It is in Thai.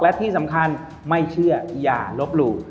และที่สำคัญไม่เชื่ออย่าลบหลู่